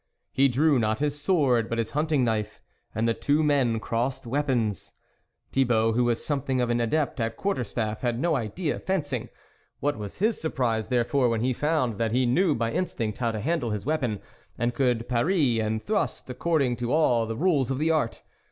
He drew, not his sword, but his hunting knife, and the two men crossed weapons. Thibault, who was something of an adept at quarter staff, had no idea of fencing ; what was his surprise therefore, when he found, that he knew by instinct how to handle his weapon, and could parry and thrust according to all the rules of the art.